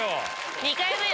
２回目よ。